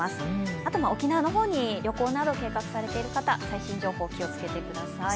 あと沖縄の方に旅行など計画されている方、最新情報に気をつけてください。